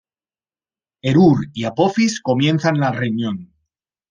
Heru’ur y Apophis comienzan la reunión.